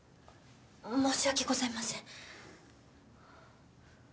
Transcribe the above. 申し訳ございません。